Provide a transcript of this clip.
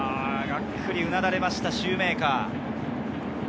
ガックリうなだれました、シューメーカー。